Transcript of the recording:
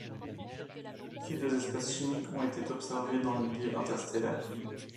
Ces deux espèces chimiques ont été observées dans le milieu interstellaire.